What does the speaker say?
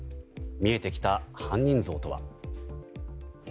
見えてきた犯人像とは。